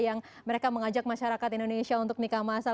yang mereka mengajak masyarakat indonesia untuk nikah masal